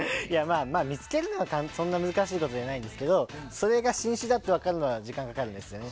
見つけるのはそんな難しいことじゃないんですけどそれが新種だと分かるのには時間がかかるんですよね。